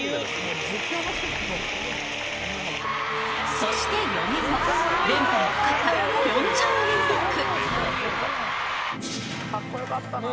そして４年後、連覇のかかったピョンチャンオリンピック。